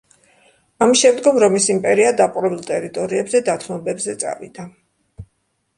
ამის შემდგომ რომის იმპერია დაპყრობილ ტერიტორიებზე დათმობებზე წავიდა.